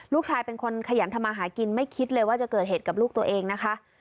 ลูกชายเป็นคนขยันทำมาหากินไม่คิดเลยว่าจะเกิดเหตุกับลูกตัวเองนะคะ